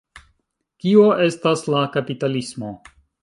Kio estas la kapitalismo?